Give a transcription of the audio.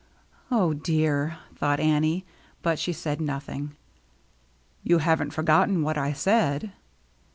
" Oh, dear !" thought she ; but she said nothing. " You haven't forgotten what I said